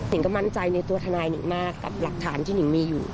งก็มั่นใจในตัวทนายนิ่งมากกับหลักฐานที่หนิงมีอยู่